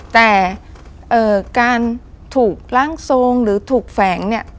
แต่การถูกล่างทรงหรือถูกแฝง